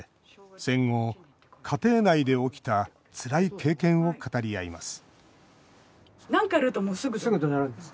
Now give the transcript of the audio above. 戦後、家庭内で起きたつらい経験を語り合います